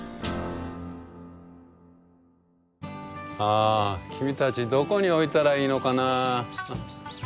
あ君たちどこに置いたらいいのかな？